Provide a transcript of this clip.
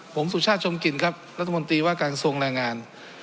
ผมสุชาชมกิลครับรัฐมนตรีว่าการส่งแรงงาน